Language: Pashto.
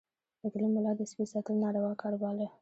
د کلي ملا د سپي ساتل ناروا کار باله.